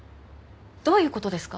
どういう事ですか？